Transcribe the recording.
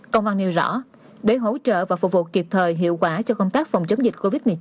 công an nêu rõ để hỗ trợ và phục vụ kịp thời hiệu quả cho công tác phòng chống dịch covid một mươi chín